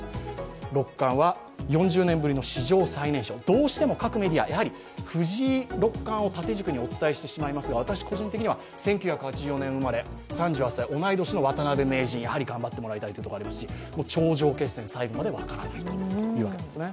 どうしても各メディア、藤井六冠を縦軸にお伝えしてしまいますが私、個人的は１９８４年生まれ３８歳、同い年の渡辺名人に頑張ってもらいたいというところです、頂上決戦、最後まで分からないですね。